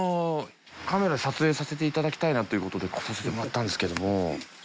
カメラ撮影させていただきたいなということで来させてもらったんですけども。